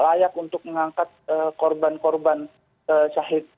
layak untuk mengangkut korban korban sahib